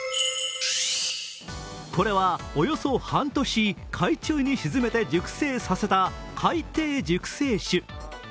これは、およそ半年、海中に沈めて熟成させた海底熟成酒。